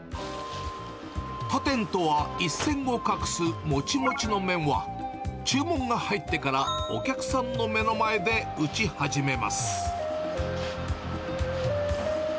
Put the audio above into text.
他店とは一線を画すもちもちの麺は、注文が入ってからお客さんの目の前で打ち始めます。